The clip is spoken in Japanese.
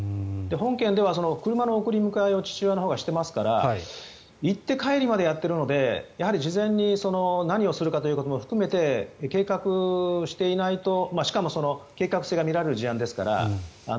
本件では車の送り迎えを父親のほうがしていますから行って帰りまでやっているので事前に何をするかということも含めて計画していないとしかもその計画性が見られる事案ですから。